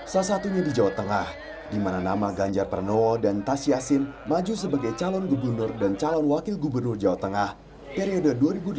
salah satunya di jawa tengah di mana nama ganjar pranowo dan tas yassin maju sebagai calon gubernur dan calon wakil gubernur jawa tengah periode dua ribu delapan belas dua ribu dua puluh